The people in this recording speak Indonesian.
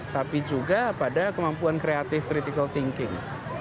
tapi juga pada kemampuan creative critical thinking